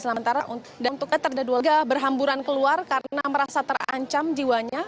sementara untuk terduga teroris berhamburan keluar karena merasa terancam jiwanya